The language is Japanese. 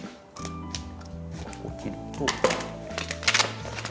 ここ切ると。